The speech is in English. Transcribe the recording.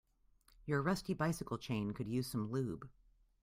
Your rusty bicycle chain could use some lube.